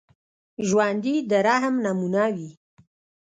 ژوندي د رحم نمونه وي